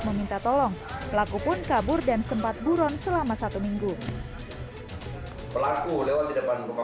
meminta tolong pelaku pun kabur dan sempat buron selama satu minggu pelaku lewat di depan rumah